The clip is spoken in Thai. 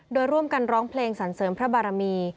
โดยร่วมกันร้องเพลงสรรเสริมพระบารมี